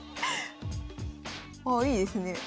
ああいいですね。